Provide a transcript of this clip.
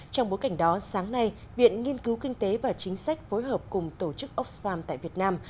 trong bối cảnh đó sáng nay viện nghiên cứu kinh tế và chính sách phối hợp cùng tổ chức oxfam tại việt nam